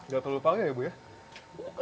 gak terlalu panggung ya bu ya